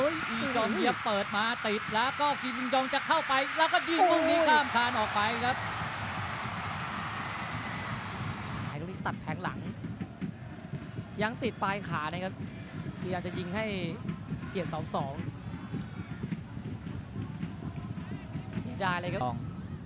อ๋อยอ๋อยยังติดปลายขานะครับเคยอาจจะยิงให้เสียเศรษฐ์สองสอง